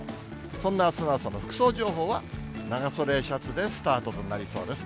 そんなあすの朝の服装情報は長袖シャツでスタートとなりそうです。